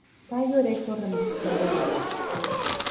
Tallo erecto ramificado y lanoso.